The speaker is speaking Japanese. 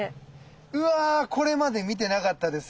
うわこれまで見てなかったです。